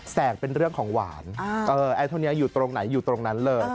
แกกเป็นเรื่องของหวานไอเท่านี้อยู่ตรงไหนอยู่ตรงนั้นเลย